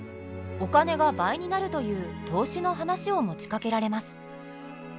お金が倍になるという投資の話を持ちかけられます。